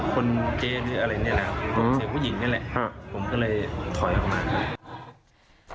เศรษฐ์ผู้หญิงนี่แหละผมก็เลยถอยออกมา